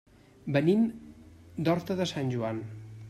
Venim de Horta de Sant Joan.